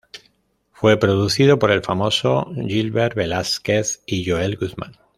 Fue producido por el famoso Gilbert Velásquez y Joel Guzmán.